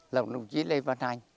là đồng chí lê văn hanh